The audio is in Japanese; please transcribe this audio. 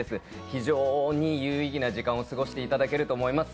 非常に有意義な時間を過ごしていただけると思います。